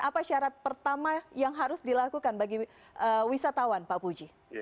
apa syarat pertama yang harus dilakukan bagi wisatawan pak puji